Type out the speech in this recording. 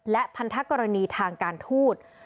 และพันธกรณีทางการทูต